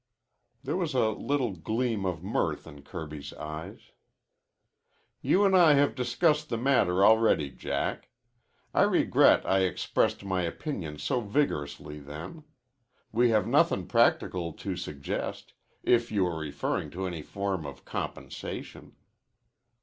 There wag a little gleam of mirth in Kirby's eyes. "You an' I have discussed the matter already, Jack. I regret I expressed my opinion so vigorously then. We have nothin' practical to suggest, if you are referrin' to any form of compensation.